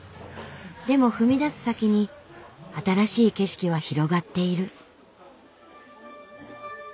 でも踏み出す先に新しい景色は広がっている。